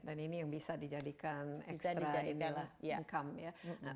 dan ini yang bisa dijadikan extra income